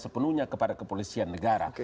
sepenuhnya kepada kepolisian negara